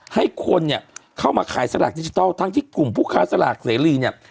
ให้คนเนี่ยเข้ามาขายสลากดิจิทัลทั้งที่กลุ่มผู้ค้าสลากเสรีเนี่ย